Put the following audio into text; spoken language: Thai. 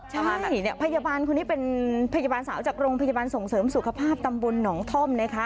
ใช่เนี่ยพยาบาลคนนี้เป็นพยาบาลสาวจากโรงพยาบาลส่งเสริมสุขภาพตำบลหนองท่อมนะคะ